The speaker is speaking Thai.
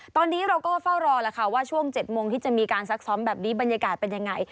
ตอนนี้เราก็เฝ้ารอแล้วค่ะว่าช่วง๗โมงที่จะมีการซักซ้อมแบบนี้บรรยากาศเป็นยังไง